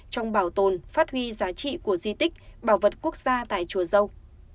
trong bảo tồn phát huy giá trị của di tích bảo vật quốc gia tại chùa dâu